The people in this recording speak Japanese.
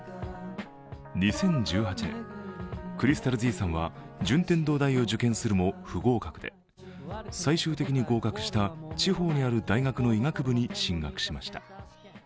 ２０１８年、ｃｒｙｓｔａｌ−ｚさんは順天堂大を受験するも不合格で、最終的に合格した地方にある大学の医学部に進学しました。